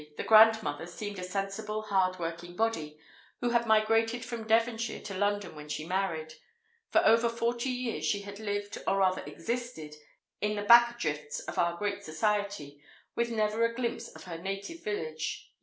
The grandmother seemed a sensible, hard working body, who had migrated from Devonshire to London when she married; for over forty years she had lived, or rather existed, in the back drifts of our great city with never a glimpse of her native village.